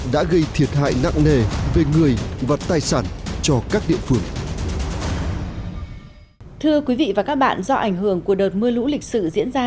đã gây thiệt hại nặng nề về người và tài sản cho các địa phương